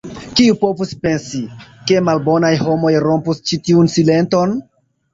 Kiu povus pensi, ke malbonaj homoj rompus ĉi tiun silenton?